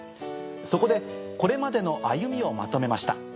そこでこれまでのあゆみをまとめました。